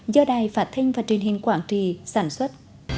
do đài phát thanh và truyền hình quảng trì sản xuất